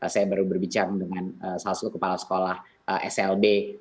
saya baru berbicara dengan salah satu kepala sekolah slb